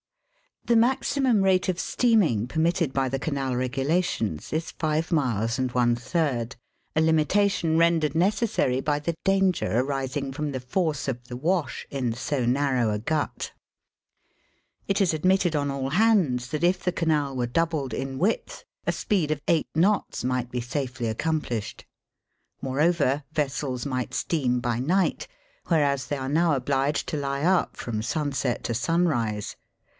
The maximum rate of steaming permitted by the Canal regu lations is five miles and one third, a Kmitation rendered necessary by the danger arising from the force of the ''wash "in so narrow a gut^ It is admitted on all hands that if the Canal were doubled in width a speed of eight knots might be safely accomplished. Moreover^ vessels might steam by night, whereas they are now obliged to he up from sunset to sun rise.